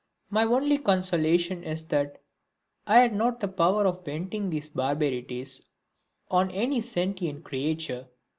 My only consolation is that I had not the power of venting these barbarities on any sentient creature.